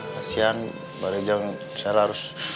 kasian baru jangan